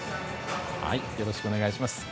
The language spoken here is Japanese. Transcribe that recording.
よろしくお願いします。